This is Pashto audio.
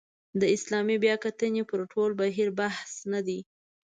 د اسلامي بیاکتنې پر ټول بهیر بحث نه دی.